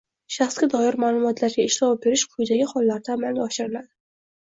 Shaxsga doir ma’lumotlarga ishlov berish quyidagi hollarda amalga oshiriladi: